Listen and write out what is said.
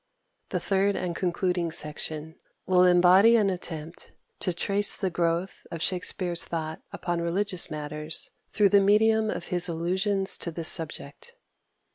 The third and concluding section, will embody an attempt to trace the growth of Shakspere's thought upon religious matters through the medium of his allusions to this subject.